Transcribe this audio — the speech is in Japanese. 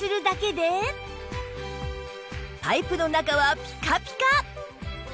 パイプの中はピカピカ